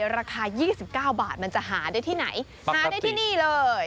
ราคา๒๙บาทมันจะหาได้ที่ไหนหาได้ที่นี่เลย